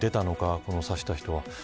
この刺した人は。